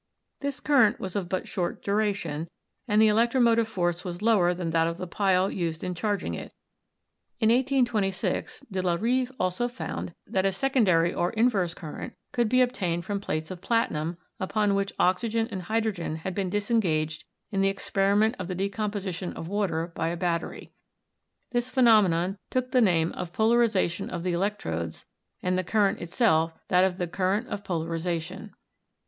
This current was of but short duration, and the electro motive force was lower than that of the pile used in charg ing it. In 1826, De la Rive also found that a secondary ELECTRO CHEMISTRY 257 or inverse current could be obtained from plates of plati num upon which oxygen and hydrogen had been disen gaged in the experiment of the decomposition of water by a battery. This phenomenon took the name of 'polariza tion of the electrodes' and the current itself that of the 'current of polarization.'